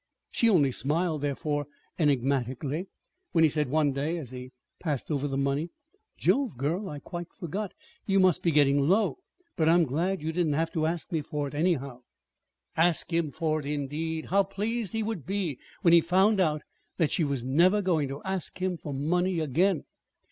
She only smiled, therefore, enigmatically, when he said one day, as he passed over the money: "Jove, girl! I quite forgot. You must be getting low. But I'm glad you didn't have to ask me for it, anyhow!" Ask him for it, indeed! How pleased he would be when he found out that she was never going to ask him for money again!